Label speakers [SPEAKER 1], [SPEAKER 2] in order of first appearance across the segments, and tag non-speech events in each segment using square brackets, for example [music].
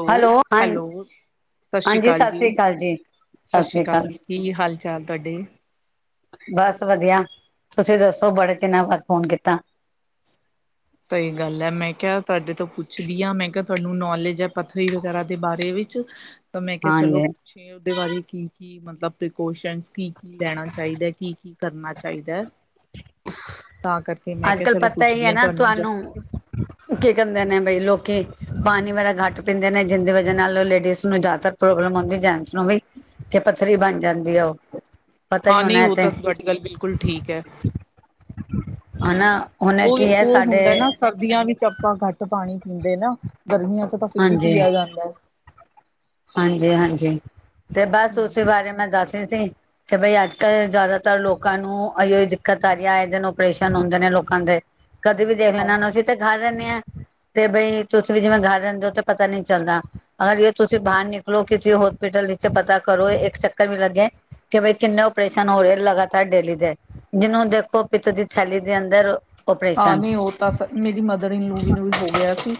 [SPEAKER 1] Hello, hello ਸਤਿ ਸ਼੍ਰੀ
[SPEAKER 2] ਹਾਂਜੀ
[SPEAKER 1] ਅਕਾਲ
[SPEAKER 2] ਸਤਿ
[SPEAKER 1] ਜੀ।
[SPEAKER 2] ਸ੍ਰੀ ਅਕਾਲ
[SPEAKER 1] ਸਤਿ ਸ਼੍ਰੀ
[SPEAKER 2] ਸ੍ਰੀ
[SPEAKER 1] ਅਕਾਲ ਕੀ ਹਾਲ ਚਾਲ ਤੁਹਾਡੇ।
[SPEAKER 2] ਬਸ ਵਧੀਆ ਤੁਸੀਂ ਦੱਸੋ ਬੜੇ ਚਿਨਾ ਬਾਅਦ ਫੋਨ ਕੀਤਾ।
[SPEAKER 1] ਸਹੀ ਗੱਲ ਹੈ, ਮੈਂ ਕਿਹਾ ਤੁਹਾਡੇ ਤੋਂ ਪੁੱਛਦੀ ਆ, ਮੈਂ ਕਿਹਾ ਤੁਹਾਨੂੰ ਨੌਲੇਜ ਹੈ ਪੱਥਰੀ ਵਗੈਰਾ ਦੇ ਬਾਰੇ ਵਿੱਚ। ਤਾਂ ਮੈਂ ਕਿਹਾ, ਚਲੋ
[SPEAKER 2] ਹਾਂਜੀ
[SPEAKER 1] ਪੁੱਛੇ ਉਹਦੇ ਬਾਰੇ ਕੀ ਕੀ ਮਤਲਬ ਪ੍ਰੀਕੋਸ਼ਨ ਕੀ ਕੀ ਲੈਣਾ ਚਾਹੀਦਾ ਹੈ। ਕੀ ਕੀ ਕਰਨਾ ਚਾਹੀਦੈ। ਤਾਂ ਕਰਕੇ ਮੈਂ
[SPEAKER 2] ਅੱਜ
[SPEAKER 1] ਕਿਹਾ
[SPEAKER 2] ਕੱਲ
[SPEAKER 1] ਚਲੋ
[SPEAKER 2] ਪਤਾ ਹੀ
[SPEAKER 1] ਪੁੱਛਦੀ
[SPEAKER 2] ਹੈ
[SPEAKER 1] ਹਾਂ।
[SPEAKER 2] ਨਾ ਤੁਹਾਨੂੰ, ਕੀ ਕਹਿੰਦੇ ਨੇ ਬਈ ਲੋਕ ਕਿ ਪਾਣੀ ਵਗੈਰਹਿ ਘੱਟ ਪੀਂਦੇ ਨੇ, ਜਿੰਦੇ ਵਜੇ ਨਾਲ ਲੇਡੀਜ਼ ਨੂੰ ਜ਼ਿਆਦਾ ਪ੍ਰੋਬਲਮ ਹੋਂਦੀ ਏ ਜੈਂਟਸ ਨੂੰ ਵੀ। ਕਿ ਪੱਥਰੀ ਬਣ ਜਾਂਦੀ ਏ ਉਹ। ਪਤਾ ਹੀ
[SPEAKER 1] ਹਾਂ, ਨਹੀਂ
[SPEAKER 2] ਹੋਣਾ
[SPEAKER 1] ਉਹ
[SPEAKER 2] ਤੇ
[SPEAKER 1] ਤਾਂ ਤੁਹਾਡੀ ਗੱਲ ਬਿਲਕੁਲ ਠੀਕ ਹੈ।
[SPEAKER 2] ਆਨਾ।
[SPEAKER 1] ਉਹ, ਉਹ ਹੁੰਦਾ ਨਾ ਸਰਦੀਆਂ ਵਿੱਚ ਆਪ ਤਾਂ ਘੱਟ ਪਾਣੀ ਪੀਂਦੇ ਨਾ। ਗਰਮੀਆਂ ਚ ਤਾਂ ਫਿਰ ਵੀ ਪੀਆ ਜਾਂਦਾ ਹੈ।
[SPEAKER 2] ਹਾਂਜੀ, ਹਾਂਜੀ। ਤੇ ਬਸ
[SPEAKER 1] ਹਮ
[SPEAKER 2] ਉਸੇ ਬਾਰੇ ਮੈਂ ਦੱਸ ਏਸੀ, ਕਿ ਬਈ ਅੱਜ ਕੱਲ ਜ਼ਿਆਦਾਤਰ ਲੋਕਾਂ ਨੂੰ ਅਹਿਯੋ ਹੀ ਦਿੱਕਤ ਆ ਰਹੀ ਹੈ। ਆਏ ਦਿਨ ਓਪਰੇਸ਼ਨ ਹੁੰਦੇ ਨੇ ਲੋਕਾਂ ਦੇ। ਕਦੇ ਵੀ ਦੇਖ ਲੈਨਾਂ ਅਸੀਂ ਤੇ ਘਰ ਰਹਿਨੇ ਹੈ, ਤੇ ਬਈ ਤੁਸੀਂ ਵੀ ਜਿਵੇਂ ਗਰ ਰਹਿੰਦੇ ਹੋ ਤਾਂ ਪਤਾ ਨੀ ਚੱਲਦਾ। ਅਗਰ ਜੇ ਤੁਸੀਂ ਤੁਸੀਂ ਬਾਹਰ ਨਿਕਲੋ ਕਿਸੇ ਹੋਸਪਿਟਲ ਵਿੱਚ ਪਤਾ ਕਰੋ ਇੱਕ ਚੱਕਰ ਵੀ ਲੱਗੇ। ਕਿ ਬਈ ਕਿੰਨੇ ਓਪਰੇਸ਼ਨ ਹੋ ਰਹੇ ਲਗਾਤਾਰ ਡੇਲੀ ਦੇ। ਜਿਹਨੂੰ ਦੇਖੋ ਪਿਤ ਦੀ ਥੈਲੀ ਦੇ ਅੰਦਰ
[SPEAKER 1] ਹਾਂ,
[SPEAKER 2] ਓਪਰੇਸ਼ਨ
[SPEAKER 1] ਨਹੀਂ ਉਹ ਤਾਂ ਸ ਮੇਰੀ ਮਦਰ ਇਨਲੂ ਨੂੰ ਵੀ ਹੋ ਗਿਆ ਸੀ।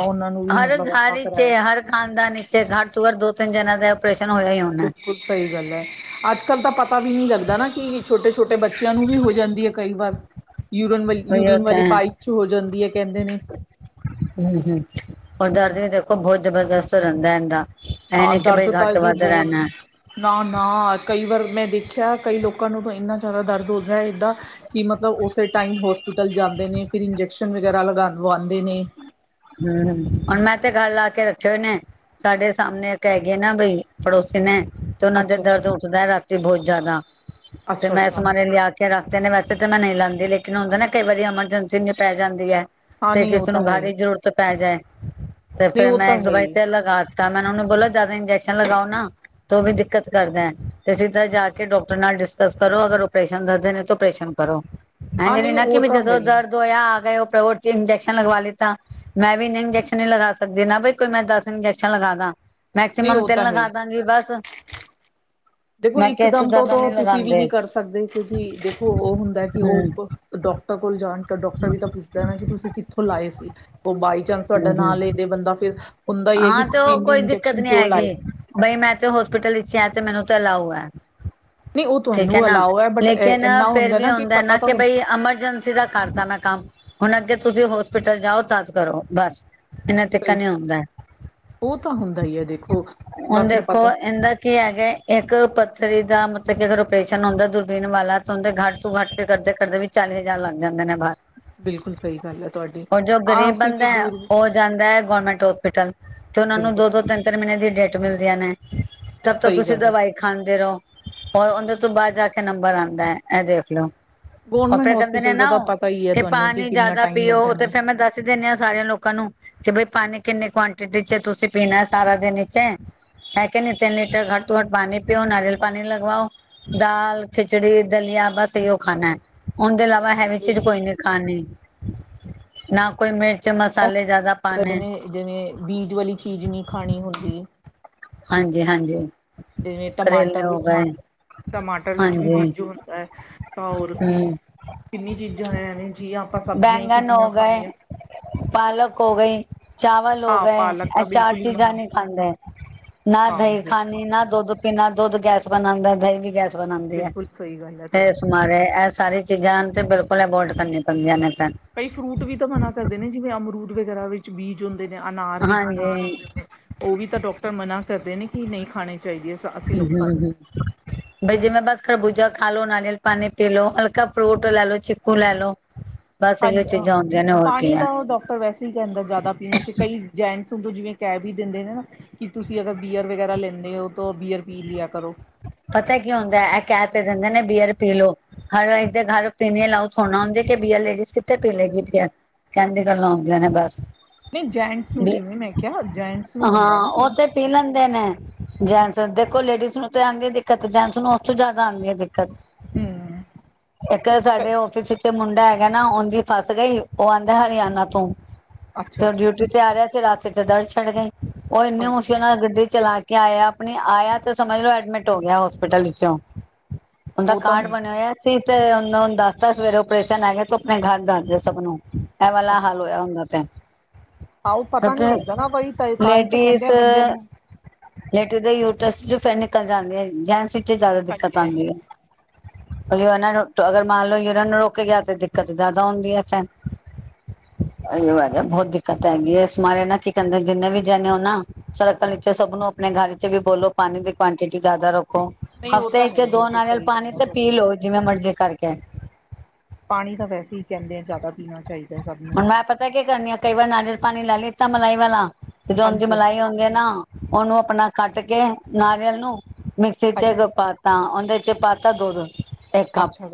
[SPEAKER 1] ਉਹਨਾਂ ਨੂੰ ਵੀ
[SPEAKER 2] ਹਰ
[SPEAKER 1] ਮਤਲਬ
[SPEAKER 2] ਘਰ
[SPEAKER 1] ਆਪਾਂ
[SPEAKER 2] ਇਚ
[SPEAKER 1] ਕਰਾਇਆ
[SPEAKER 2] ਏ, ਹਰ ਖਾਨਦਾਨ ਚ ਏ। ਘਰ ਤ ਪਰ ਦੋ ਤਿੰਨ ਜਨਾਂ ਦਾ ਅਪਰੇ
[SPEAKER 1] ਬਿਲਕੁਲ ਸਹੀ ਗੱਲ ਹੈ, ਅੱਜ ਕੱਲ ਤਾਂ ਪਤਾ ਪਤਾ ਵੀ ਨਹੀਂ ਲੱਗਦਾ ਨਾ, ਕਿ ਛੋਟੇ- ਛੋਟੇ ਬੱਚਿਆਂ ਨੂੰ ਵੀ ਹੋ ਜਾਂਦੀ ਏ, ਕਈ ਵਾਰ। ਯੂਰਨ ਵਾਲੀ,
[SPEAKER 2] ਉਹੀ
[SPEAKER 1] ਯੂਰੀਨ
[SPEAKER 2] ਤਾਂ
[SPEAKER 1] ਵਾਲੀ
[SPEAKER 2] ਹੈ।
[SPEAKER 1] ਪਾਈਪ ਚ ਹੋ ਜਾਂਦੀ ਏ ਕਹਿੰਦੇ ਨੇ।
[SPEAKER 2] ਹਮ ਹਮ ਔਰ ਦਰਦ ਵੀ ਦੇਖੋ ਬਹੁਤ ਜਬਰਦਸਤ ਰਹਿੰਦਾ ਐਂਦਾ।
[SPEAKER 1] ਹਾਂ ਦਰਦ ਤਾਂ ਇਹਦੀ ਬਹੁਤ ਨਾ, ਨਾ ਕਈ ਵਾਰ ਮੈਂ ਦੇਖ [unintelligible] ਕਈ ਲੋਕਾਂ ਨੂੰ ਤਾਂ ਇਨਾ ਜ਼ਿਆਦਾ ਦਰਦ ਹੋਦਾ ਹੈ, ਏਦਾਂ ਕਿ ਮਤਲਬ ਉਸੇ ਟਾਈਮ ਹੋਸਪਿਟਲ ਜਾਂਦੇ ਨੇ ਫਿਰ ਇੰਜੈਕਸ਼ਨ ਵਗੈਰਾ ਲਗਾਵਾਦੇ ਨੇ
[SPEAKER 2] ਹੂੰ ਹੁਣ ਮੈਂ ਤੇ ਘੱਲ ਲਾ ਕੇ ਰੱਖੇ ਹੋਏ ਨੇ, ਸਾਡੇ ਸਾਹਮਣੇ ਏਕ ਹੈਗੇ ਨਾ ਬਈ ਪੜੋਸੀ ਨੇ ਤੇ ਉਹਨਾਂ ਤੇ
[SPEAKER 1] ਅੱਛਾ
[SPEAKER 2] ਦਰਦ ਉੱਠਦਾ ਹੈ ਰਾਤੀ ਬਹੁਤ ਜ਼ਿਆਦਾ ਤੇ
[SPEAKER 1] ਅੱਛਾ ਅੱਛਾ
[SPEAKER 2] ਮੈਂ
[SPEAKER 1] ਅੱਛਾ
[SPEAKER 2] ਸਮਾਰੇ ਲਿਆ ਕੇ ਰੱਖਦੇ ਨੇ ਵੈਸੇ ਤੇ ਮੈਂ ਨਹੀਂ ਲਾਦੀ ਲੇਕਿ ਹੁੰਦਾ ਨਾ ਕਈ ਵਾਰੀ ਐਮਰਜੈਂਸੀ ਪੈ ਜਾਂਦੀ ਹੈ
[SPEAKER 1] ਹਾਂ
[SPEAKER 2] ਤੇ
[SPEAKER 1] ਨਹੀਂ ਉਹ
[SPEAKER 2] ਕਿਸੇ
[SPEAKER 1] ਤਾਂ
[SPEAKER 2] ਨੂੰ
[SPEAKER 1] ਹੈ ਹੀ
[SPEAKER 2] ਘਰ ਜ਼ਰੂਰਤ ਪੈ ਜਾਏ ਤੇ
[SPEAKER 1] ਨਹੀਂ
[SPEAKER 2] ਫੇਿਰ
[SPEAKER 1] ਉਹ
[SPEAKER 2] ਮੈਂ
[SPEAKER 1] ਤਾਂ
[SPEAKER 2] ਇੱਕ
[SPEAKER 1] ਹੈ
[SPEAKER 2] ਦੋ ਵਾਰੀ
[SPEAKER 1] ਹੀ
[SPEAKER 2] ਤੇ ਲਗਾ ਦਿੱਤਾ ਮੈਨ ਉਹਨੂੰ ਬੋਲ ਜਿਆਦਾ ਇੰਜੈਕਸ਼ਨ ਲਗਾਓ ਨਾ ਤੇ ਉਹ ਵੀ ਦਿੱਕਤ ਕਰਦਾ ਤੇ ਸਿੱਧ ਜਾ ਕੇ ਡਾਕਟਰ ਨਾਲ ਡਿਸਕਸ ਕਰੋ ਅਗਰ ਓਪਰੇਸ਼ਨ ਦਦੇ ਨੇ ਤਾਂ ਓਪਰੇਸ਼ਨ ਕਰੋ ਹਂ
[SPEAKER 1] ਹਾਂ
[SPEAKER 2] ਜ ਨ
[SPEAKER 1] ਨਹੀਂ
[SPEAKER 2] ਨਾ
[SPEAKER 1] ਉਹ
[SPEAKER 2] ਕਿਵੇ
[SPEAKER 1] ਤਾਂ ਹੈ
[SPEAKER 2] ਜਦੋਂ
[SPEAKER 1] ਹੀ
[SPEAKER 2] ਦਰਦ ਹੋਇਆ ਆ ਕੇ ਟੀ ਇੰਜੈਕਸ਼ਨ ਲਗਵਾ ਲਤਾ ਮੈਂ ਵੀ ਇਨੇ ਇੰਜੈਕਸ਼ਨ ਨ ਲਗਾ ਸਕਦੀ ਨਾ ਬ ਕੋਈ ਮੈਂ ਦਸ ਇੰਜੈਕਸ਼ਨ ਲਗਾ ਦਾਂ
[SPEAKER 1] ਨਹੀਂ
[SPEAKER 2] ਮੈਕਸੀਮਮ
[SPEAKER 1] ਉਹ
[SPEAKER 2] ਤਿਲ
[SPEAKER 1] ਤਾਂ ਹੈ
[SPEAKER 2] ਲਗਾ
[SPEAKER 1] ਹੀ
[SPEAKER 2] ਦਾਂਗੀ ਬਸ
[SPEAKER 1] ਦੇਖੋ
[SPEAKER 2] ਮੈਂ ਕਿਹਾ ਇਸ
[SPEAKER 1] ਇਕਦਮ ਤੋਂ
[SPEAKER 2] ਜ਼ਿਆਦਾ
[SPEAKER 1] ਤਾਂ
[SPEAKER 2] ਨਹੀਂ
[SPEAKER 1] ਤੁਸੀਂ ਵੀ
[SPEAKER 2] ਲਗਾਉਂਦੇ
[SPEAKER 1] ਨਹੀਂ ਕਰ ਸਕਦੇ ਕਿਉਂਕਿ ਦੇਖੋ ਉਹ ਹੁੰਦਾ ਕਿ
[SPEAKER 2] ਹਮ
[SPEAKER 1] ਉਹ ਡਾਕਟਰ ਕੋਲ ਜਾਣ ਡਾਕਟਰ ਵੀ ਤਾਂ ਪੁੱਛਦਾ ਹੈ ਨਾ ਕਿ ਤੁਸੀਂ ਕਿੱਥੋਂ ਲਾਏ ਸੀ ਉਹ ਬਾਈ ਚਾਂਸ ਤੁਹਾਡਾ
[SPEAKER 2] ਹਮ
[SPEAKER 1] ਨ
[SPEAKER 2] ਹਮ
[SPEAKER 1] ਲਦੇ ਬੰਦਾ ਫਿਰ ਹੁੰਦਾ ਹੀ ਹੈ ਕਿ
[SPEAKER 2] ਹਾਂ ਤੇ
[SPEAKER 1] ਤੁਸੀਂ
[SPEAKER 2] ਉਹ
[SPEAKER 1] ਇੰਨੇ
[SPEAKER 2] ਕੋਈ ਦਿੱਕਤ
[SPEAKER 1] ਇੰਜੈਕਸ਼ਨ
[SPEAKER 2] ਨੀ
[SPEAKER 1] ਕਿਉਂ ਲਾਏ
[SPEAKER 2] ਹੈਗੀ ਬਈ ਮੈਂ ਤੇ ਹੋਸਪਿਟਲ ਵਿੱਚ ਸ਼ ਤੇ ਮੈਨੂੰ ਤਾਂ ਅਲਾਓ ਹੈ
[SPEAKER 1] ਨਹੀਂ ਉਹ
[SPEAKER 2] ਠੀਕ ਹੈ
[SPEAKER 1] ਤੁਹਾਨੂੰ
[SPEAKER 2] ਨਾ
[SPEAKER 1] ਅਲਾਓ ਬਟ
[SPEAKER 2] ਲੇਕਿਨ
[SPEAKER 1] ਇੰਨਾ
[SPEAKER 2] ਫੇਿਰ ਵੀ ਹੁੰਦਾ ਨਾ
[SPEAKER 1] ਪਤਾ ਤਾਂ
[SPEAKER 2] ਕਿ
[SPEAKER 1] ਹੁੰ
[SPEAKER 2] ਬਈ ਐਮਰਜੈਂਸੀ ਦਾ ਕਰਤਾ ਨਾ ਕੰਮ ਹੁਣ ਅੱਗੇ ਤੁਸੀਂ ਹੋਸਪਿਟਲ ਜਾਓ ਤਦ ਕਰੋ ਬਸ ਇੰਨਾ ਤਿੱਖ
[SPEAKER 1] ਸਹੀ
[SPEAKER 2] ਨੀ ਆਉਂਦਾ
[SPEAKER 1] ਉਹ ਤਾਂ ਹੁੰਦਾ ਹੀ ਹੈ ਦੇਖੋ ਉਹ ਤਾਂ
[SPEAKER 2] ਹੁਣ
[SPEAKER 1] ਫਿਰ
[SPEAKER 2] ਦੇਖੋ
[SPEAKER 1] ਪਤਾ
[SPEAKER 2] ਇਹਦਾ ਕੀ ਹੈਗੇ ਇੱਕ ਪੱਥਰੀ ਦਾ ਮਤਲਬ ਕਿ ਅਗ ਓਪਰੇਸ਼ਨ ਹੁੰਦਾ ਦੁਰਬੀਨ ਵਾਲਾ ਤਾਂ ਉਹਦੇ ਘੱਟ ਤੋਂ ਘੱਟ ਕਰਦੇ ਕਰਦੇ ਵੀ ਚਾਲੀ ਹਜ਼ਾਰ ਲੱਗ ਜਾਂਦੇ ਨੇ ਬਾਹਰ
[SPEAKER 1] ਬਿਲਕੁਲ ਸਹੀ ਗੱਲ ਹੈ ਤੁਹਾਡੀ
[SPEAKER 2] ਹੋਰ ਜੋ
[SPEAKER 1] ਹਾਂ
[SPEAKER 2] ਗ਼ਰੀਬ
[SPEAKER 1] ਅਸੀਂ
[SPEAKER 2] ਬੰਦਾ
[SPEAKER 1] ਵੀ
[SPEAKER 2] ਹੈ
[SPEAKER 1] ਦੂਰ
[SPEAKER 2] ਉਹ ਜਾਂਦਾ ਹੈ ਗਵੌਰਮੈਂਟ ਹੋਸਪਿਟਲ ਤੇ ਉਹ ਨੂੰ
[SPEAKER 1] ਬਿਲਕੁਲ
[SPEAKER 2] ਦੋ ਤਿੰਨ ਤਿੰਨ ਮਹੀਨ ਦੀ ਡੇਟ ਮਿਲਦੀਆਂ ਨੇ ਤਬ ਤਾਂ
[SPEAKER 1] ਸਹੀ
[SPEAKER 2] ਤੁਸੀਂ
[SPEAKER 1] ਗੱਲ ਹੈ
[SPEAKER 2] ਦਵਾਈ ਖਾਂਦੇ ਰਹੋ ਰ ਉਹਦੇ ਤੋਂ ਬਾਅਦ ਜਾ ਕੇ ਨੰਬਰ ਆਉਂਦਾ ਹੈ ਇਹ ਦੇਖ ਲਓ ਉਹ
[SPEAKER 1] ਗੌਰਮੈਂਟ
[SPEAKER 2] ਫੇਰ ਕਹਿੰਦੇ ਨੇ
[SPEAKER 1] ਹੋਸਪਿਟਲ ਦਾ
[SPEAKER 2] ਨਾ
[SPEAKER 1] ਤਾਂ
[SPEAKER 2] ਉਹ
[SPEAKER 1] ਪਤਾ ਹੀ ਹੈ
[SPEAKER 2] ਕਿ
[SPEAKER 1] ਤੁਹਾਨੂੰ
[SPEAKER 2] ਪਾਣੀ
[SPEAKER 1] ਕਿੰਨਾ
[SPEAKER 2] ਜਿਆਦਾ
[SPEAKER 1] ਟਾਈਮ ਲੱਗ
[SPEAKER 2] ਪੀਓ ਤੇ
[SPEAKER 1] ਜਾਂਦਾ
[SPEAKER 2] ਫੇਿਰ ਮੈਂ ਦੱਸ ਦਿੰਨ ਆ ਸਾਰਿਆਂ ਲੋਕਾਂ ਨੂੰ ਕਿ ਬਈ ਪਾ ਕਿੰੇ ਕੁਆਂਟ ਟੀਚੇ ਤੁਸੀਂ ਪੀਣਾ ਸਾਰਾ ਦਿਨੇ ਹੈ ਕਿ ਨੀ ਤਿੰਨ ਲੀਟਰ ਘੱਟ ਤੋਂ ਘੱਟ ਪਾਣੀ ਪਿਓ ਨਾਰੀਅਲ ਪਾਣੀ ਲਗਵਾਓ ਦਾਲ ਖਿਚੜੀ ਦਲੀਆ ਬਸ ਇੋ ਖਾਣਾ ਹੈ ਉਹਦੇ ਇਲਾਵਾ ਵ ਵੀ ਚੀਜ਼ ਕੋਈ
[SPEAKER 1] ਕਹਿੰਦੇ
[SPEAKER 2] ਨੀ ਖਾਣੀ ਨਾ ਕੋਈ ਮਿਰਚ ੱਚੇ ਮਸਾਲੇ ਜਿਆਦਾ ਪਾਣੇੇ
[SPEAKER 1] ਨੇ ਜਿਵੇਂ ਬੀਜ ਵਾਲੀ ਚੀਜ਼ ਨਹੀਂ ਖਾਣੀ ਹੁੰਦੀ ਅ
[SPEAKER 2] ਹਾਂਜੀ ਹਾਂਜੀ।
[SPEAKER 1] ਜਿਵੇਂ
[SPEAKER 2] ਕਰੇਲੇ
[SPEAKER 1] ਟਮਾਟਰ
[SPEAKER 2] ਹੋ
[SPEAKER 1] ਵਿੱਚ
[SPEAKER 2] ਗਏ
[SPEAKER 1] ਟਮਾਟਰ ਵਿੱਚ ਵੀ
[SPEAKER 2] ਹਾਂਜੀ
[SPEAKER 1] ਬੀਜੂ ਹੁੰਦਾ ਐ, ਤਾਂ ਹੋਰ ਕੀ
[SPEAKER 2] ਹਮ
[SPEAKER 1] ਕਿੰਨੀ ਚੀਜ਼ਾਂ ਹੈ ਨੇ ਜੀ ਆਪਾਂ ਸਬਜ਼ੀਆਂ ਹੀ
[SPEAKER 2] ਬੈਂਗਨ
[SPEAKER 1] ਕਿੰਨੀਆਂ
[SPEAKER 2] ਹੋ ਗਏ
[SPEAKER 1] ਖਾਣੀਐ।
[SPEAKER 2] ਪਾਲਕ ਹੋ ਗਈ ਚਾਵਲ ਹੋ ਗਏ ਐ ਚਾਰ ਚੀਜ਼ਾਂ
[SPEAKER 1] ਮਨਾ
[SPEAKER 2] ਨੀ ਖਾਂਦੇ। [inaudible] ਨਾ ਦਹੀਂ
[SPEAKER 1] ਹਾਂਜੀ
[SPEAKER 2] ਖਾਨੀ ਨਾ ਦੋਧ ਪਿਨਾ ਦੁੱਧ ਗੈਸ ਬਣਾਦੈਂ ਦਹੀਂ ਵੀ ਗੈਸ ਬਣਾਂਦੀ ਹੈ
[SPEAKER 1] ਬਿਲਕੁਲ ਸਹੀ ਗੱਲ ਹੈ
[SPEAKER 2] ਤੇ
[SPEAKER 1] ਤੁਹਾਡੀ
[SPEAKER 2] ਏਸ ਮਾਰੇ ਐ ਸਾਰੀ ਚੀਜ਼ਾਂ ਤੇ ਬਿਲਕ ਪਲਾ ਗੋਲਡ ਕਰਨੀ ਪੈਦੀਆਂ ਨੇ। ਫਿਰ
[SPEAKER 1] ਭਈ ਫਰੂਟ ਵੀ ਤਾਂ ਮਨਾ ਕਰਦੇ ਨੇ ਜਿਵੇਂ ਅਮਰੂਦ। ਵਗੈਰਾ ਵਿੱਚ ਬੀਜ ਹੁੰਦ ਦੇ ਨੇ ਅਨਾਰ ਵਿੱਚ ਬੀਜ
[SPEAKER 2] ਹਾਂਜੀ
[SPEAKER 1] ਹੁੰਦੇ ਨੇ ਔ ਵੀ ਤਾਂ ਡਾਕਟਰ ਮਨਾ ਦੇ ਕਰਦੇ ਨੇ ਕਿ ਨਈ ਖਾਣੇ। ਚਾਹੀਦੇ ਅਸੀਂ ਲੋਕਾਂ ਨੂੰ
[SPEAKER 2] ਬਈ ਜਿਵੇੈਂ ਬਸ ਖਰਬੂ ਜਾ ਖਾਲੋ, ਨਾਲਿਅਲ ਪਾਣੀ ਪੀਲੋ, ਹਲਕਾ ਫਰੂਟ ਲੈਲੋ, ਚੀਕੂ ਲੈਲੋ।
[SPEAKER 1] ਹਾਂਜ ਅ ਪਾਣੀ
[SPEAKER 2] ਹੈ
[SPEAKER 1] ਤਾਂ ਔ ਡਾਕਟਰ ਵੈਸੇ ਈ ਕੈੰਦਾ ਜੈਦਾ ਪੀਣ ਚ ਕਈ ਜੈਂਟਸ ਉਢੂ ਜਿਵੇਂ ਕੈ ਵੀ ਦਿੰਦੇ ਨੇ ਨਾ ਕਿ ਤੁਸੀਂ ਅਗਰ ਬੀਅਰ ਵਗੈਰਾ ਲੈਂਦੇ ਔ ਤੋ ਬੀਅਰ ਪੀ ਲਿਆ ਕਰੋ।
[SPEAKER 2] ਪਤੈ ਕੀ ਹੁੰਦੈ ਐ ਕੈ ਤੇ ਦਿੰਦੇ ਨੇ ਬੀਅਰ ਪੀ ਲੋ, ਹਰਨਾ ਏਕ ਦੇ ਘਰ ਪੀਣੀ ਅਲਾਓ ਥੋੜਾ ਨਾ ਹੁੰਦੀ ਕਿ ਬੀਅਰ ਲੇਡੀਜ਼ ਕਿੱਥੇ ਪੀ ਲੇਗੀ ਬੀਅਰ, ਕੈਣ ਦੀਆਂ ਗਲਾਂ ਹੂੰਦੀਆਂ ਨੇ ਬਸ।
[SPEAKER 1] ਨਹੀਂ ਜੈਂਟਸ ਨੂੰ
[SPEAKER 2] ਵੀ
[SPEAKER 1] ਜਿਵੇਂ ਮੈਂ ਕਿਆ ਜੈਂਟਸ ਨੂੰ ਹੁੰਦੈ
[SPEAKER 2] ਹਾਂ
[SPEAKER 1] ਨਾ ਕੀ
[SPEAKER 2] ਉਹ ਤੇ ਪੀ ਲੈਂਦੇ ਨੇ ਜੈਂਟਸ ਦੇਖੋ ਲੇਡੀਸ ਨੂੰ ਤੇ ਆਂਦੀ ਏ ਦਿੱਕਤ ਜਾਂਚ ਨੂੰ ਓਸ ਤੋਂ ਜੈਦਾ ਆਂਦੀ ਐ ਦਿ ਕ
[SPEAKER 1] ਹਮ
[SPEAKER 2] ਇੱਕ ਸਾਡੇ ਔਫਿਸ ਚ ਚ ਮੁੰਡਾ ਹੈਗਾ ਨਾ ਔਂਦੀ ਫਸ ਗਈ ਓਹ ਆਂਦੈ ਹਰਯਾਣਾ ਤੋਂ ਤੇ
[SPEAKER 1] ਅੱਛਾ
[SPEAKER 2] ਔ
[SPEAKER 1] ਅੱਛਾ
[SPEAKER 2] ਡਿਊਟੀ ਤੇ ਆ ਰਿਆ ਸੀ ਰਾਤ ਪੀਛੇ ਦੜ ਛੇਡ ਗਈ। ਔ ਏਨੇ ਮੁਸ਼ਕਲ ਨਾਲ ਗੱਡੀ ਚਲਾ ਕੇ ਆਯਾ, ਅਪਣੇ ਆਯਾ ਤੇ ਸਮਝ ਲੋ ਐਡ ਐਡਮਿਟ ਹੋ ਗਿਆ ਹੋਸਪਿਟਲ ਇਚੋਂ ਔਂਦਾ
[SPEAKER 1] ਉਹ ਤਾਂ
[SPEAKER 2] ਕਾਰਡ
[SPEAKER 1] ਹੁਣ
[SPEAKER 2] ਬਣਿਆ ਹੋਯਾ ਸ ਤੀ ਤੇ ਹੁੰਦਾ ਹੁੰਦਾ ਔਨ ਦੱਸਤਾ ਸਵੇਰੇ ਔਪਰੇਸ਼ਨ ਹੈਗਾ ਤੂੰ ਅਪਣੇ ਘਰ ਦੱਸਦੇ ਸਭ ਨੂੰ‌ ਐ ਵਾਲਾ
[SPEAKER 1] ਅੱਛਾ
[SPEAKER 2] ਹਾਲ ਹੋਯਾ ਉੰਦਾ ਤੇ।
[SPEAKER 1] ਆਹੋ ਪਤਾ
[SPEAKER 2] ਕਿਓਂਕ
[SPEAKER 1] ਨੀ ਲੱਗਦਾ ਨਾ ਬਈ ਤਾਂ ਤਾਂ ਹੀ ਤਾਂ ਕਹਿੰਦੇ
[SPEAKER 2] ਲੇਡੀਸ
[SPEAKER 1] ਆ ਬੰਦਿਆਂ ਨੂੰ
[SPEAKER 2] ਲੇਟੀਸ ਦੇ ਯੂਟਸਟ ਫੈਨ ਏ। ਕਲ ਜਾਂਦੇ ਐ, ਜਾਂਦ ਪਿਚੇ ਜੈਦਾ ਦਿੱਕਤ
[SPEAKER 1] ਹਾਂਜੀ
[SPEAKER 2] ਆਦੀ
[SPEAKER 1] ਹਾਂਜੀ
[SPEAKER 2] ਐ। ਉਹਨਾਂ ਨੂੰ ਅਗਰ ਮੰਨ ਲਓ ਜੇ ਇਹਨਾਂ ਨੂੰ ਰੋਕ ਗਿਆ ਤੇ ਦਿੱਕਤ ਜ਼ਿਆਦਾ ਹੁੰਦੀ ਹੈ, ਫਿਰ ਅਇਓ ਬਹੁਤ ਦਿੱਕਤ ਹੈਗੀ ਹੈ, ਇਸ ਮਾਰੇ ਨਾ ਕੀ ਕਹਦੇ ਜਿੰਨੇ ਵੀ ਜਣੇ ਹੋ ਨਾ ਸੜਕਾਂ ਨੀਚੇ ਸਭ ਨੂੰ ਆਪਣੇ ਘਰ ਚ ਵੀ ਬੋਲੋ ਪਾਣੀ ਦੀ [unintelligible] ਜ਼ਿਆਦਾ ਰੱਖੋ
[SPEAKER 1] ਨਹੀਂ ਉਹ
[SPEAKER 2] ਹਫ਼ਤੇ
[SPEAKER 1] ਤਾਂ ਹੈ
[SPEAKER 2] ਚ
[SPEAKER 1] ਹੀ
[SPEAKER 2] ਦੋ
[SPEAKER 1] ਬਿਲਕੁਲ
[SPEAKER 2] ਨਾਰੀਅਲ
[SPEAKER 1] ਸਹੀ
[SPEAKER 2] ਪਾਣੀ
[SPEAKER 1] ਗੱਲ ਹੈ
[SPEAKER 2] ਤੇ ਪੀ
[SPEAKER 1] ਤੁਹਾਡੀ
[SPEAKER 2] ਲਵੋ ਜਿਵੇਂ ਮਰਜ਼ੀ ਕਰਕੇ। [unintelligible]
[SPEAKER 1] ਪਾਣੀ ਤਾਂ ਵੈਸੇ ਹੀ ਕਹਿੰਦੇ ਆ ਜ਼ਿਆਦਾ। ਪੀਣਾ ਚਾਹੀਦਾ ਸਭ ਨੂੰ
[SPEAKER 2] ਹੁਣ ਮੈਂ ਪਤਾ ਕੀ ਕਰਨੀ ਆ, ਕਈ ਵਾਰ ਨਾਰੀਅਲ ਪਾਣੀ ਲੈ ਤਾਂ ਮਲਾਈ ਵਾਲਾ। ਜਦੋਂ ਉਹਦੀ
[SPEAKER 1] ਹਾਂਜੀ
[SPEAKER 2] ਮਲਾਈ
[SPEAKER 1] ਹਾਂ
[SPEAKER 2] ਹੁੰਦੀ ਹੈ ਨਾ ਉਹਨੂੰ ਆਪਣਾ ਕੱਟ ਕੇ ਨਾਰੀਅਲ ਨੂੰ ਮਿਕਸੀ ਚ ਤਾਂ ਉਹਦੇ ਚ ਪਾਤਾ ਦੁੱਧ ਇੱਕ ਕਪ
[SPEAKER 1] ਅੱਛਾ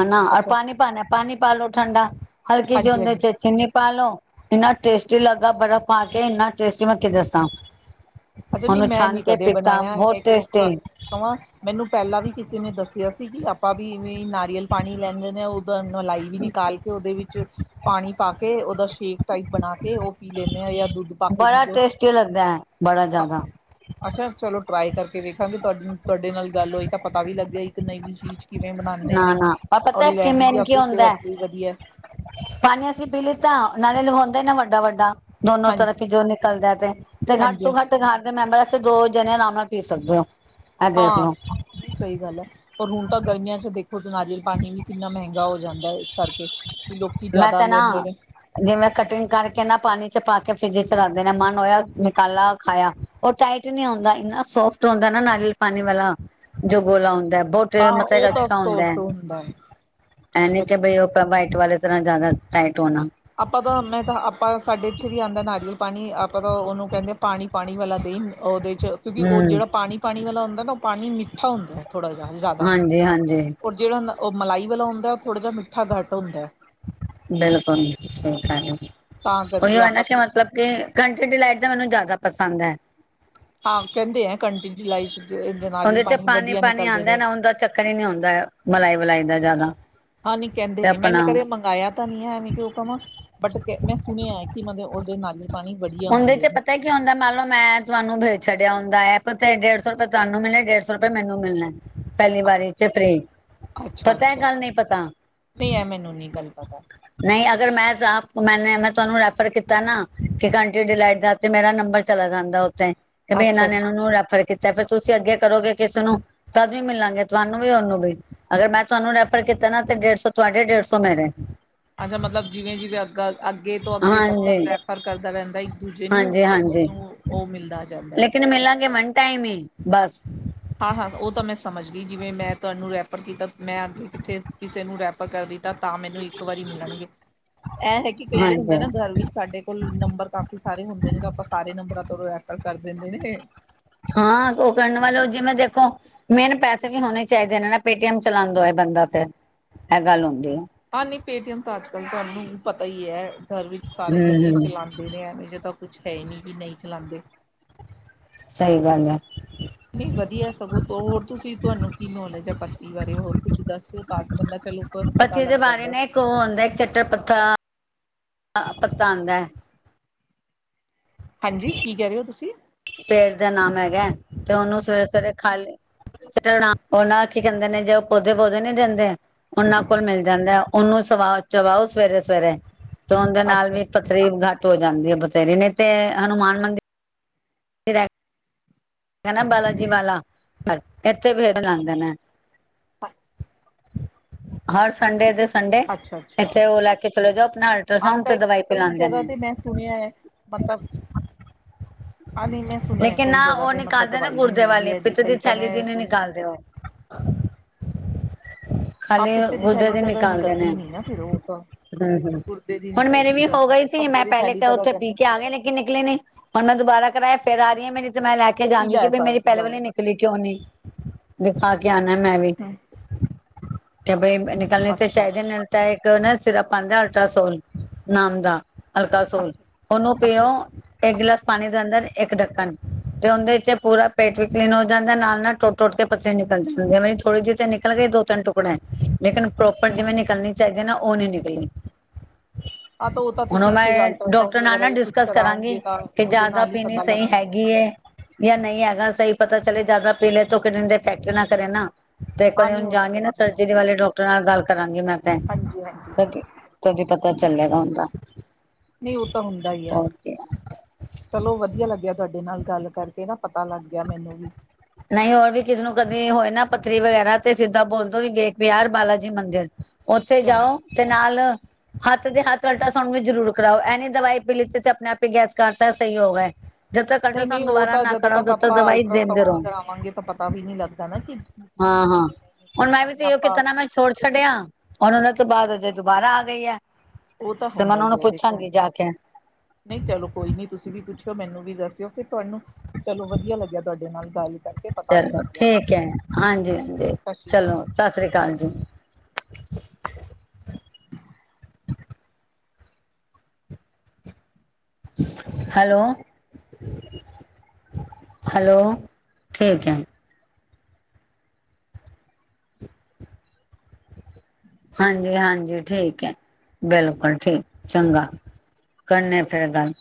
[SPEAKER 2] ਹਨਾ ਔਰ
[SPEAKER 1] ਅੱਛਾ
[SPEAKER 2] ਪਾਣੀ ਪਾਾਨਾ ਪਾਣੀ। ਪਾਲੋ ਠੰਡਾ। ਹਲਕੀ ਜਿਹੀ
[SPEAKER 1] ਹਾਂਜੀ
[SPEAKER 2] ਉਹਦੇ
[SPEAKER 1] ਹਾਂਜੀ
[SPEAKER 2] ਚ ਚੀਨੀ ਪਾਾਲੋ। ਇੰਨਾ ਟੇਸਟੀ ਲੱਗਾ ਬਰਫ਼ ਪਾ ਕੇ ਇੰਨਾ ਟੇਸਟੀ ਮੈਂ ਕਿ ਦੱਸਾਂ।
[SPEAKER 1] ਅੱਛਾ ਨਹੀਂ
[SPEAKER 2] ਉਹਨੂੰ
[SPEAKER 1] ਮੈਂ ਨੀ
[SPEAKER 2] ਛਾਨ ਕੇ
[SPEAKER 1] ਕਦੇ
[SPEAKER 2] ਪੀਤਾ
[SPEAKER 1] ਬਣਾਇਆ
[SPEAKER 2] ਬਹੁਤ
[SPEAKER 1] ਇਹ ਉਹ ਐਵੇਂ
[SPEAKER 2] ਟੇਸਟੀ
[SPEAKER 1] ਕਵਾਂ ਮੈਨੂੰ ਪਹਿਲਾਂ ਵੀ ਕਿਸੇ ਨੇ ਦੱਸਿਆ ਸੀ। ਸੀਗੀ ਆਪਾਂ ਵੀ ਵੀ ਨਾਰੀਅਲ ਪਾਣੀ ਲੈਂਦੇ ਨੇ, ਉਹਦਾ ਮਲਾਈ ਵੀ ਨਿਕਾਲ ਕੇ ਉਹਦੇ ਵਿੱਚ ਪਾਣੀ ਪਾ ਕੇ ਉਹਦਾ ਸ਼ੇਕ ਟਾਈਪ ਬਣਾ ਕੇ ਉਹ ਪੀ ਲੈਂਦੇ ਆ ਜਾਂ ਦੁੱਧ ਪਾ ਕੇ ਪੀ
[SPEAKER 2] ਬੜਾ
[SPEAKER 1] ਲਉ।
[SPEAKER 2] ਟੇਸਟੀ ਲੱਗਦਾ ਹੈ ਬੜਾ ਜ਼ਿਆਦਾ
[SPEAKER 1] ਅੱਛਾ ਚਲੋ ਟਰਾਾਈ ਕਰਕੇ ਵੇਖਾਂਗੇ ਤੁਹਾਡ ਤੁਹਾਡੇ ਨਾਲ ਗੱਲ ਹੋਈ ਤਾਂ ਪਤਾ ਵੀ ਲੱਗਿਆ ਇੱਕ ਨਵੀਂ ਚੀਜ਼। ਕਿਵੇਂ ਬਣਾਉਂਦੇ
[SPEAKER 2] ਨਾ
[SPEAKER 1] ਨੇ
[SPEAKER 2] ਨਾ ਆਪ
[SPEAKER 1] ਔਰ
[SPEAKER 2] ਪਤਾ ਕੀਂ
[SPEAKER 1] ਲੈਣੀ
[SPEAKER 2] ਮੇਨ
[SPEAKER 1] ਵੀ
[SPEAKER 2] ਨਾ ਕੀ
[SPEAKER 1] ਆਪਦੀ
[SPEAKER 2] ਹੁੰਦਾ,
[SPEAKER 1] ਸਿਹਤ ਲਈ ਵਧੀਆ
[SPEAKER 2] ਪਾਣੀ ਅਸੀਂ ਪੀ ਲਿੱਤਾ ਨਾਲੇ ਏਨਾ ਵੱਡਾ ਵੱਡਾ। ਦੋਨੋ
[SPEAKER 1] ਹਾਂਜੀ
[SPEAKER 2] ਤਰਫ਼ ਕੀ ਜੋ ਨਿਕਲਦਾ ਤੇ ਤੇ ਘੱਟ ਤੋਂ
[SPEAKER 1] ਹਾਂਜੀ
[SPEAKER 2] ਘੱਟ ਘਰ ਦੇ ਮੈਂਬਰ ਤੇ ਦੋ ਤੁਸੀ ਆਰਾਮ ਨਾਲ ਪੀ ਸਕਦੇ ਹੋ। ਇਹ ਦੇਖ
[SPEAKER 1] ਹਾਂ,
[SPEAKER 2] ਲਓ
[SPEAKER 1] ਨਹੀਂ ਸਹੀ ਗੱਲ ਐ। ਪਰ ਹੁਣ ਤਾਂ ਗਰਮੀਆਂ ਚ ਦੇਖੋ, ਨਾਰੀਅਲ ਪਾਨੀ ਵੀ ਕਿੰਨਾ ਮਹਿੰਗਾ ਗਾ ਹੋ ਜਾਂਦਾ ਐ, ਇਸ ਕਰਕੇ ਲੋਕੀ
[SPEAKER 2] ਮੈਂ
[SPEAKER 1] ਜ਼ਿਆਦਾ
[SPEAKER 2] ਤਾਂ ਨਾ
[SPEAKER 1] ਲੈਂਦੇ ਨੇ
[SPEAKER 2] ਜਿਵੇਂ ਕਟਿੰਗ ਕਰਕੇ ਨਾ ਪਾਨੀ ਚ ਪਾ ਕੇ ਫਰਿੱਜ ਚ ਰੱਖ ਦੇਨਾ, ਮਨ ਹੋਇਆ ਨਿਕਾਲਾ ਖਾਇਆ, ਉਹ ਟਾਈਟ ਨੀ ਹੁੰਦਾ ਇੰਨਾ ਸੋਫਟ ਹੁੰਦਾ ਨਾ, ਨਾਰੀਅਲ ਪਾਨੀ ਵਾਲਾ ਜੋ ਗੋਲਾ ਹੁੰਦਾ ਐ। ਬਹੋਤ
[SPEAKER 1] ਹਾਂ
[SPEAKER 2] ਮਤਲਬ
[SPEAKER 1] ਉਹ ਤਾਂ
[SPEAKER 2] ਅੱਛਾ ਹੁੰਦਾ
[SPEAKER 1] ਸੋਰਸ
[SPEAKER 2] ਐ,
[SPEAKER 1] ਤੋਂ ਹੁੰਦਾ ਹੈ
[SPEAKER 2] ਐ ਨੀ ਕਿ ਬਈ ਉਹ [unintelligible] [unintelligible] ਜਿਤਨਾ ਜ਼ਿਆਦਾ ਟਾਈਟ ਹੋਣਾ
[SPEAKER 1] ਆਪਾਂ ਤਾਂ, ਮੈਂ ਤਾਂ, ਆਪਾਂ ਸਾਡੇ ਇੱਥੇ ਵੀ ਆਂਦਾ ਨਾਰੀਅਲ ਪਾਨੀ ਮੈਂ ਤਾਂ ਉਹਨੂੰ ਕਹਿੰਦੀ ਆਂ ਪਾਨੀ ਪਾਨੀ ਵਾਲਾ ਦੇਈਂ ਉਹ ਦੇ ਕਿਉਂਕਿ ਉਹ
[SPEAKER 2] ਹਮ
[SPEAKER 1] ਜਿਹੜਾ ਪਾਣੀ ਪਾਣੀ ਵਾਲਾ ਹੁੰ [unintelligible] ਪਾਨੀ ਮਿ ਠਾ ਹੁੰਦਾ ਹੈ ਥੋੜ੍ਹਾ ਜਿਹਾ ਜ਼ਿਆਦਾ,
[SPEAKER 2] ਹਾਂਜੀ ਹਾਂਜੀ
[SPEAKER 1] ਔਰ ਜਿਹੜਾ ਉਹ ਮਲਾਈ ਵਾਲਾ ਹੁੰਦਾ ਐ, ਥੋੜ੍ਹਾ ਜਿਹਾ ਮਿੱਠਾ ਘੱਟ ਹੁੰਦਾ ਐ।
[SPEAKER 2] ਬਿਲਕੁਲ ਸਹੀ ਕਹ ਰਹੇ ਹੋ,
[SPEAKER 1] ਤਾਂ
[SPEAKER 2] ਕਈ
[SPEAKER 1] ਕਰਕੇ
[SPEAKER 2] ਵਾਰ ਨਾ
[SPEAKER 1] ਆਪਾਂ
[SPEAKER 2] ਕਿ ਮਤਲਬ ਕਿ [unintelligible] ਦਾ ਮੈਨੂੰ ਜ਼ਿਆਦਾ ਪ ਸੰਦ ਐ।
[SPEAKER 1] ਜੁਲਾਈ ਚ
[SPEAKER 2] ਉਹਦੇ ਚ ਪਾਨੀ-ਪਾਨੀ ਆਂਦਾ ਐ ਨਾ, ਉਹਦਾ ਚੱਕਰ ਹੀ ਨੀ ਹੁੰਦਾ ਮਲਾਈ ਮਲਾਈ ਦਾ ਜ਼ਿਆਦਾ।
[SPEAKER 1] ਹਾਂ ਨੀ ਕਹਿੰਦੇ
[SPEAKER 2] ਤੇ
[SPEAKER 1] ਨੇ, ਮੈ ਨਾ
[SPEAKER 2] ਆਪਣਾ
[SPEAKER 1] ਕਦੇ ਮੰਗਾਇਆ ਤਾਂ ਨਹੀਂ ਐਵੇਂ ਕਿਉਂ ਕਵਾਂ, ਬਟ ਮੈਂ ਸੁਣਿਆ ਕਿ ਮਤਲਬ ਉਹਦੇ ਨਾਲ
[SPEAKER 2] ਉੰਦੇ ਚ ਪਤਾ ਕੀ ਹੁੰਦਾ ਮੰਨ ਲਓ ਮੈਂ ਤੁਹਾਨੂੰ ਭੇਜ ਛੱਡਿਆ ਦਾ ਐਪ ਤੇ ਡੇਢ ਸੌ ਰੁਪਏ ਤੁਹਾਨੂੰ ਮਿਲਨੇ, ਡੇਢ ਸੌ ਰੁਪਏ ਮੈਨੂੰ ਮਿਲਨੇਨ। ਪਹਿਲੀ ਵਾਰੀ ਚ [unintelligible]
[SPEAKER 1] ਅੱਛਾ
[SPEAKER 2] ਪਤਾ ਐ
[SPEAKER 1] ਅੱਛਾ
[SPEAKER 2] ਗੱਲ ਨਹੀਂ ਪਤਾ?
[SPEAKER 1] ਨਹੀਂ ਇਹ ਮੈਨੂੰ ਨਹੀਂ ਗੱਲ ਪਤਾ
[SPEAKER 2] ਨਹੀਂ ਅਗਰ ਮੈਂ ਮੈਨੇ ਮੈਂ ਤੁਹਾਨੂੰ ਰੈਫਰ ਕੀਤਾ ਨਾ [unintelligible] ਦਾ ਤੇ ਮੇਰਾ ਨੰਬਰ ਚਲਾ ਜਾਂਦਾ ਕੇ ਬਈ ਇਹਨਾਂ
[SPEAKER 1] ਅੱਛਾ
[SPEAKER 2] ਨੇ ਇਨਹਾਂ ਨੂੰ ਰੈਫਰ ਕੀਤਾ ਐ। ਤੇ ਫਿਰ ਤੁਸੀਂ ਅੱਗੇ ਕਰੋਗੇ ਕਿਸੇ ਨੂੰ ਤਦ ਵੀ ਮਿਲਾਂਗੇ, ਤੁਹਾਨੂੰ ਵੀ ਉਹਨੂੰ ਵੀ, ਅਗਰ ਮੈਂ ਤੁਹਾਨੂੰ ਰੈਫਰ ਕੀਤਾ ਨਾ ਤੇ ਡੇਢ ਸੌ ਤੁਹਾਡੇ ਡੇਢ ਸੌ ਮੇਰੇ।
[SPEAKER 1] ਅੱਛਾ ਮਤਲਬ ਜਿਵੇਂ-ਜਿਵੇਂ ਅੱ ਅੱਗੇ ਤੋਂ ਅੱਗੇ
[SPEAKER 2] ਹਾਂਜੀ
[SPEAKER 1] ਪਰਸਨ ਰੈਫਰ ਕਰਦਾ ਰਹਿੰਦਾ ਇੱਕ ਦੂਜੇ ਨੂੰ,
[SPEAKER 2] ਹਾਂਜੀ ਹਾਂਜੀ
[SPEAKER 1] ਉਹਨੂੰ ਉਹ ਮਿਲਦਾ ਜਾਂਦਾ ਐ।
[SPEAKER 2] ਲੇਕਿਨ ਮਿਲਾਂਗੇ ਵਨ ਟਾਈਮ ਹੀ ਬਸ
[SPEAKER 1] ਹਾਂ ਹਾਂ, ਉਹ ਤਾਂ ਮੈਂ ਸਮਝ ਗਈ ਜਿਵੇਂ ਮੈਂ ਤੁਹਾਨੂੰ ਰੈਫਰ ਕੀਤਾ ਮੈਂ ਅੱਗੇ ਕਿੱਥੇ ਕਿਸੇ ਨੂੰ ਰੈਫਰ ਕਰਦੀ ਤਾਂ ਤਾਂ ਮੈਨੂੰ ਇੱਕ ਵਾਰੀ ਮਿਲਣਗੇ, ਇਹ ਹੈ ਕਿ ਕਈ ਵਾਰ ਹੁੰਦਾ
[SPEAKER 2] ਹਾਂਜੀ
[SPEAKER 1] ਨਾ ਘਰ ਵਿੱਚ ਸਾਡੇ ਲ ਨੰਬਰ ਕਾਫੀ ਸਾਰੇ ਹੁੰਦੇ ਨੇ ਤੇ ਆਪਾਂ ਸਾਰੇ ਨੰਬਰਾਂ ਤੋ ਰੈਫਰ ਕਰ ਦੇਂਦੇ ਨੇ।
[SPEAKER 2] ਹਾਂ ਉਹ ਕਰਨ ਵਾਲੋ ਜਿਵੇਂ ਦੇਖੋ ਮੇਨ ਪੈਸੇ ਵੀ ਹੋਣੇ ਚਾਹੀਦੇ ਨੇ, ਨਾ ਪੇਟੀਐਮ ਚਲਾਉਂਦਾ ਹੋਏ ਬੰਦਾ ਫੇਰ ਇਹ ਗੱਲ ਹੁੰਦੀ ਐ।
[SPEAKER 1] ਹਾਂ ਨੀ ਪੇਟੀਐਮ ਤਾਂ- ਤੁਹਾਨੂੰ ਪਤਾ ਈ ਏ। ਘਰ ਵਿੱਚ ਸਾਰੇ ਜਾਣੇ
[SPEAKER 2] ਹਮ ਹਮ
[SPEAKER 1] ਚਲਾਂਦੇ ਨੇ ਇਹ ਜਿਦਾ- ਕੁਛ ਹੈ ਨਹੀਂੀ ਕਿ ਨਹੀਂ ਚਲਾਦੇ।
[SPEAKER 2] ਸਹੀ ਗੱਲ ਹੈ।
[SPEAKER 1] ਨਹੀਂ ਵਧੀਆ ਸਗੋਂ- ਹੋਰ ਤੁਸੀਂ ਤੁਹਾਨੂੰ ਕੀ ਨੌਲੇਜ ਹੈ ਪਥਰੀ ਬਾਰੇ ਹੋਰ ਕੁੱਝ ਦੱਸਿਓ ਤਾਂ ਤਾਂ ਬੰਦਾ ਚਲੋ ਪਤਾ
[SPEAKER 2] ਪੱਥੇ
[SPEAKER 1] ਲੱਗ
[SPEAKER 2] ਦੇ ਬਾਰੇ
[SPEAKER 1] ਜਾਂਦਾ
[SPEAKER 2] ਨਾ ਇੱਕ ਉਹ ਆਉਂਦਾ ਇੱਕ ਚੱਟਟਰ ਪੱਥਾ- ਪਤਾ ਆਦਾ।
[SPEAKER 1] ਹਾਂਜੀ ਕੀ ਕਹਿ ਰਹੇ ਹੋ ਤੁਸੀਂ?
[SPEAKER 2] ਪੇਸਟ ਦਾ ਨਾਮ ਹੈਗਾ। ਤੇ ਉਹਨੂੰ ਸਵੇਰੇ- ਸਵੇਰੇ ਖਾਲੀ ਚਟ ਉਹਨਾ ਕੀ ਕਹਿੰਦੇ ਨੇ ਜੇ ਉਹ ਪੌਦੇ-ਪੌਦੇ ਨੀ ਦਿੰਦੇ ਉਹਨਾਂ ਕੋਲ ਮਿਲ ਜਾਂਦਾ। ਉਹਨੂੰ ਸਵਾ ਚਵਾਓ ਸਵੇਰੇ-ਸਵੇਰੇ। ਦੇ ਉਹਦੈ ਨਾਲ
[SPEAKER 1] ਅੱਛਾ
[SPEAKER 2] ਵੀ ਪਥਰੀੱ ਹੋ ਜਾਂਦੀ ਹੈ ਬਥੇਰੇ ਨੇ ਤੇ ਹਨੂੰਮਾਨ ਮੰਦਿਰ- ਫਿਰ- ਨਾ ਬਾਲਾਜੀੀ ਵਾਲਾ ਪਰ ਇੱਥੇ ਫੇਰੇ ਲਾੰਣਦੇ ਨੇ-
[SPEAKER 1] [unintelligible]
[SPEAKER 2] ਹਰ ਸੰਡੇ ਦੇ- ਸੰਡੇ
[SPEAKER 1] ਅੱਛਾ ਅੱਛਾ
[SPEAKER 2] ਇੱਥੇ ਉਹ ਲੈ ਕੇ ਚਲੇ ਜਾਓ ਆਪਣਾ
[SPEAKER 1] ਹਾਂ
[SPEAKER 2] ਅਲਟਰਾਸਾਊੰਡ
[SPEAKER 1] ਕ
[SPEAKER 2] ਤੇ ਦਵਾਈ
[SPEAKER 1] ਕਈ
[SPEAKER 2] ਪਿਂਲਾਦੇ
[SPEAKER 1] ਜਗ੍ਹਾ ਤੇ ਮੈਂ
[SPEAKER 2] ਨੇ-
[SPEAKER 1] ਸੁਣਿਆ ਹੈ ਮਤਲਬ ਹਾਂ ਨਹੀਂ ਮੈਂ ਸੁਣਿਆ
[SPEAKER 2] ਲੇਕਿਨ
[SPEAKER 1] ਕਈ
[SPEAKER 2] ਨਾ
[SPEAKER 1] ਜਗ੍ਹਾ
[SPEAKER 2] ਉਹ
[SPEAKER 1] ਤੇ ਮਤਲਬ
[SPEAKER 2] ਨਿਕਾਲਦੇ ਨਾ
[SPEAKER 1] ਦਵਾਈ ਵੀ
[SPEAKER 2] ਗੁਰਦੇ
[SPEAKER 1] ਮਿਲਦੀ
[SPEAKER 2] ਵਾਲੀ
[SPEAKER 1] ਹੈ ਇਹਦੀ
[SPEAKER 2] ਪਿਤ ਦੀ
[SPEAKER 1] ਕਈ ਤਾਂ
[SPEAKER 2] ਥੈਲੀ ਦੀ
[SPEAKER 1] ਮੈਂ
[SPEAKER 2] ਨੀ
[SPEAKER 1] ਸੁਣ
[SPEAKER 2] ਨਿਕਾਲਦੇ ਉਹ
[SPEAKER 1] ਹਾਂ
[SPEAKER 2] ਖਾਲੀ
[SPEAKER 1] ਪਿੱਤੇ
[SPEAKER 2] ਗੁਰਦੇ
[SPEAKER 1] ਥੈਲੀ
[SPEAKER 2] ਦੀ
[SPEAKER 1] ਤਾਂ
[SPEAKER 2] ਨਿਕਾਲਦੇ ਨੇ
[SPEAKER 1] ਨਿਕਲਦੀ ਨੀ ਨਾ ਫਿਰ ਉਹ ਤਾਂ
[SPEAKER 2] ਹੂੰ-ਹੂੰ
[SPEAKER 1] ਗੁਰਦੇ ਦੀ
[SPEAKER 2] ਹੁਣ ਮੇਰੀ
[SPEAKER 1] ਨਿਕਲਦੀ
[SPEAKER 2] ਵੀ
[SPEAKER 1] ਗੀ
[SPEAKER 2] ਹੋ ਗਈ ਸੀ
[SPEAKER 1] ਪੱਤੇ
[SPEAKER 2] ਮੈਂ
[SPEAKER 1] ਦੀ
[SPEAKER 2] ਪਹਿਲੇ
[SPEAKER 1] ਥੈਲੀ ਤਾਂ
[SPEAKER 2] ਉੱਥੇ ਪੀ
[SPEAKER 1] ਕਹਿੰਦੇ
[SPEAKER 2] ਕੇ ਆ ਗਏ ਨੀ ਨਿਕਲੇ ਨ ਹੁਣ ਮੈਂ ਮੈ ਫੇਰ ਆ ਰਹੀ ਹੈ ਮੇਰੀ ਮੈਂ ਲੈ ਕੇ ਜਾਗੀ
[SPEAKER 1] ਪੀਲਾ
[SPEAKER 2] ਕਿ
[SPEAKER 1] ਹੈ
[SPEAKER 2] ਬਈ
[SPEAKER 1] ਸਾਰਾ
[SPEAKER 2] ਮੇਰੀ ਪਹਿਲੇ
[SPEAKER 1] ਪੀਲਾ
[SPEAKER 2] ਵ
[SPEAKER 1] ਹੋ
[SPEAKER 2] ਨਿਕਲੀ ਕਿਉਂ ਨਹੀਂ ਦਿਖਾ ਕੇ ਆਂਣ- ਨਾ ਮੈਂ ਵੀ-
[SPEAKER 1] ਰਿਹਾ
[SPEAKER 2] ਕਿ ਬਈ- ਨਿਕਲਣੇ ਤਾਂ
[SPEAKER 1] ਅੱਛਾ
[SPEAKER 2] ਚਾਹੀਦੇ ਨੇ ਚਾਹੈ- ਉਹਨ ਸਿਰਪ ਪਾਉਂਦੇ ਅਲਟਰਾਸੋਲ ਨਾਮ ਦਾ ਅਲਕਾਸੋਲ
[SPEAKER 1] ਅੱਛਾ
[SPEAKER 2] ਉਹਨੂੰ ਪਿਓ
[SPEAKER 1] ਅੱਛਾ
[SPEAKER 2] ਇੱਕ
[SPEAKER 1] ਅੱਛਾ
[SPEAKER 2] ਗਲਾਸ ਅੰਦਰ ਇੱਕ ਡੱਕਣ ਤੇ ਉਹਦੇ ਤੇ ਪੂਰਾ ਪੇਟ ਵੀ ਕਲੀਨ ਹੋ ਜਾਂਦਾ ਨਾਲ ਟੁੱਟ- ਟੁੱਟ ਕੇ ਪੱਥਰੀ ਨਿਕਲ ਜਾਂਦੀ ਮੇਰੀ ਥੋੜੀ ਜਿਹੀ ਤੇ ਨਿਕਲ ਗੲਈ ਦੋ- ਤਿੰਨ ਟੁਕੜੇ ਲੇਕਿਨ ਪ੍ਰੋਪਰ ਜਿਵੇਂ ਨਿਕਲਣੀ ਚਾਹੀਦੀ ਨਾ- ਉਹ ਨੀ ਨਿਕਲੀ।
[SPEAKER 1] ਹਾਂ ਤਾਂ ਉਹ ਤਾਂ
[SPEAKER 2] ਹੁਣ
[SPEAKER 1] ਤੁਸੀਂ ਫਿਰ
[SPEAKER 2] ਮੈਂ
[SPEAKER 1] ਅਲਟਰਾਸਾਊਂਡ
[SPEAKER 2] ਡਾਕਟਰ ਨਾਲ
[SPEAKER 1] ਵਗੈਰਾ
[SPEAKER 2] ਨਾ
[SPEAKER 1] ਜਾਂ ਕੁਛ
[SPEAKER 2] ਡਿਸਕਸ ਕਰਾਂਗੀ
[SPEAKER 1] ਕਰਾਓਗੇ ਤਾਂ
[SPEAKER 2] ਕਿ
[SPEAKER 1] ਉਹਦੇ
[SPEAKER 2] ਜ਼ਿਆਦਾ
[SPEAKER 1] ਨਾਲ ਹੀ
[SPEAKER 2] ਪੀਣੀ
[SPEAKER 1] ਪਤਾ
[SPEAKER 2] ਸਹੀ
[SPEAKER 1] ਲੱਗਦਾ
[SPEAKER 2] ਹੈਗੀ ਏ ਜਾਂ ਨਹੀਂ ਹੈਗਾ ਸਹੀ ਪਤਾ ਚਲੇ ਜ਼ਿਆਦਾ ਪੀਲੇ ਤੋਂ ਕਿਨ ਦੇ ਫੈਕਟਰੀ ਨਾ ਕਰੇ ਨਾ ਤੇ ਇੱਕ
[SPEAKER 1] ਹਾਂ
[SPEAKER 2] ਵਾਰੀ
[SPEAKER 1] ਨਹੀਂ
[SPEAKER 2] ਹੁਣ
[SPEAKER 1] ਉਹ ਤਾਂ
[SPEAKER 2] ਜਾਗੇ ਨਾ
[SPEAKER 1] ਗੱਲ ਹੈ
[SPEAKER 2] ਸਰਜਰੀ ਵਾਲੇ ਡਾਕਟਰ ਨਾਲ ਗੱਲ ਕਰਾਂਗੇ ਮੈਂ
[SPEAKER 1] ਹਾਂਜੀ ਹਾਂਜੀ
[SPEAKER 2] ਤਦੀ ਪਤਾ ਚੱਲੇਗਾ ਹਦਾ
[SPEAKER 1] ਨਹੀਂ ਉਹ ਤਾਂ ਹੁੰਦਾ ਹੀ ਹੈ ਚਲੋ ਵਧੀਆ ਲੱਗਿਆ ਤੁਹਾਡੇ ਨਾਲ ਗੱਲ ਕਰਕੇ ਨਾ ਪਤਾ ਲੱਗ ਗਿਆ ਮੈਨੂੰ ਵੀ
[SPEAKER 2] ਨਹੀਂ ਹੋਰ ਵੀ ਕਿਸੇ ਨੂੰ ਕਦੇ ਹੋਏ ਨਾ ਪੱਥਰੀ ਵਗੈਰਾ ਤੇ ਸਿੱਧਾ ਬੋਲਦੋ ਵੀ ਵੇਖ ਪ ਯਾਰ ਬਾਲਾ ਜੀ ਮੰਦਿਰ ਉੱਥੇ
[SPEAKER 1] ਚੰਗਾ
[SPEAKER 2] ਜਾਓ ਤੇ ਨਾਲ ਹੱਥ ਦੇ ਹੱਥ ਅਲਟਰਾਸਾਊਂਡ ਵੀ ਜ਼ਰੂਰ ਕਰਾਓ ਇਹਨੇ ਦਵਾਈ ਪੀ ਲਿੱਤੀ ਤੇ ਆਪਣੇ ਆਪ ਹੀ ਗੈਸ ਕਰਢਤਾ ਸਹੀ ਹੋ ਗਿਆਏ ਜਦ ਤੱਕ
[SPEAKER 1] ਨਹੀਂ ਨਹੀਂ
[SPEAKER 2] ਅਲਟਰਰਾਸਾਊਡ
[SPEAKER 1] ਉਹ
[SPEAKER 2] ਦੁਬਾਰਾ
[SPEAKER 1] ਤਾਂ
[SPEAKER 2] ਨਾ
[SPEAKER 1] ਜਦੋਂ
[SPEAKER 2] ਕਰਾੋ ਤਦ ਤੱਕ
[SPEAKER 1] ਆਪਾਂ
[SPEAKER 2] ਦਵਾਈ ਦੇਿੰਦੇ
[SPEAKER 1] ਅਲਟਰਾਸਾਊਂਡ
[SPEAKER 2] ਰਹੋ
[SPEAKER 1] ਨਹੀਂ ਕਰਾਵਾਂਗੇ ਤਾਂ ਪਤਾ ਵੀ ਨਹੀਂ ਲੱਗਦਾ ਨਾ ਕਿ ਨਿਕਲੀ
[SPEAKER 2] ਹਾਂ
[SPEAKER 1] ਵੀ ਹੈ
[SPEAKER 2] ਹਾਂ
[SPEAKER 1] ਕਿ ਨਹੀਂ
[SPEAKER 2] ਹੁਣ
[SPEAKER 1] ਨਿਕਲੀ
[SPEAKER 2] ਮੈਂ ਵੀ
[SPEAKER 1] ਐਵੇਂ
[SPEAKER 2] ਤੇ
[SPEAKER 1] ਆਪਾਂ
[SPEAKER 2] ਕਿਤੇ ਨਾ ਮੈਂ ਛੋੜ ਛੱਡਿਆ ਹਣ ਉਹਦਾ ਉਸ ਤੋਂ ਬਾਅਦ ਅਜੇ ਦੁਬਾਰਾ ਆ ਗਈ ਹੈ
[SPEAKER 1] ਉਹ ਤਾਂ
[SPEAKER 2] ਤੇ ਮੈਂ
[SPEAKER 1] ਹੁੰਦਾ
[SPEAKER 2] ਉਹਨਾਂ ਨੂੰ
[SPEAKER 1] ਹੀ ਹੈ ਦੇਖੋ
[SPEAKER 2] ਪੁੱਛਾਂਗੀ ਜਾ ਕੇ
[SPEAKER 1] ਨਹੀਂ ਚਲੋ ਕੋਈ ਨਹੀਂੀ ਤੁਸੀਂ ਵੀ ਪੁੱਛ ਮੈਨੂੰ ਵੀ ਦੱਸਿਓ ਫਿਰ ਤੁਹਾਨੂੰ ਚਲੋ ਵਧੀਆ ਲੱਗਿਆ ਤੁਹਾਡੇ ਨਾਲ ਗੱਲ ਕਰਕੇ ਪਤਾ ਵੀ
[SPEAKER 2] ਚਲੋ
[SPEAKER 1] ਲੱਗ ਗਿਆ
[SPEAKER 2] ਠੀਕ
[SPEAKER 1] ਮੈਨੂੰ
[SPEAKER 2] ਹੈ
[SPEAKER 1] ਠੀਕ
[SPEAKER 2] ਹਾਂਜੀ
[SPEAKER 1] ਹੈ
[SPEAKER 2] ਹਾਂਜੀ
[SPEAKER 1] ਸਤਿ ਸ਼੍ਰੀ ਅਕਾਲ
[SPEAKER 2] ਚਲੋ ਸਤਿ ਸ੍ਰੀ ਅਕਾਲ ਜੀ ਹੈਲੋ ਹੈਲੋ ਠੀਕ ਹੈ ਹਾਂਜੀ ਹਾਂਜੀ ਠੀਕ ਹੈ ਬਿਲਕੁਲ ਠੀਕ ਚੰਗਾ ਕਰਨੇ ਫਿਰ ਗੱਲ